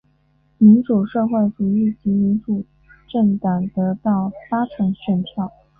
民主社会主义及民主政党得到八成选票。